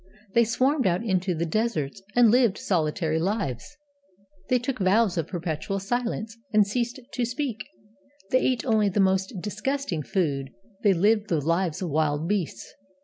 They swarmed out into the deserts, and lived solitary lives. They took vows of perpetual silence, and ceased to speak; they ate only the most disgusting food; they lived the lives of wild beasts.